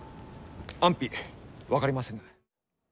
安否分かりませぬ。